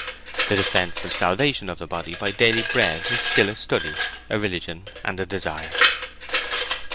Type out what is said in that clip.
The defence and salvation of the body by daily bread is still a study, a religion, and a desire.